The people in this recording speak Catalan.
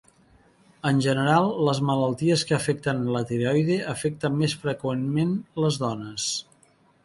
En general, les malalties que afecten la tiroide afecten més freqüentment les dones.